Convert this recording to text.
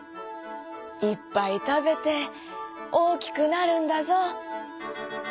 「いっぱいたべておおきくなるんだぞ」。